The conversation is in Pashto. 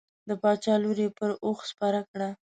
د باچا لور یې پر اوښ سپره کړه.